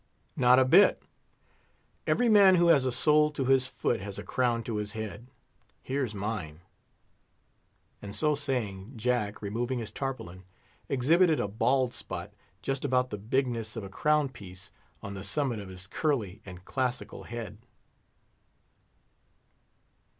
"Not a bit; every man who has a sole to his foot has a crown to his head. Here's mine;" and so saying, Jack, removing his tarpaulin, exhibited a bald spot, just about the bigness of a crown piece, on the summit of his curly and classical head.